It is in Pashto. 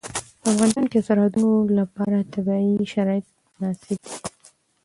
په افغانستان کې د سرحدونه لپاره طبیعي شرایط مناسب دي.